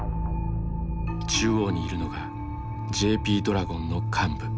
中央にいるのがＪＰドラゴンの幹部。